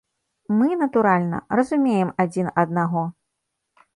Мы, натуральна, разумеем адзін аднаго.